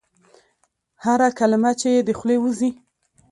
هره کلمه چي یې د خولې وزي ؟